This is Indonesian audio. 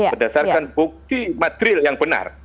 berdasarkan bukti material yang benar